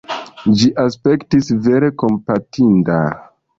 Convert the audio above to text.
Ĝi aspektis vere kompatinda.